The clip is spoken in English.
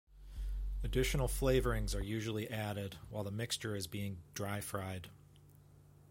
Additional flavourings are usually added while the mixture is being dry-fried.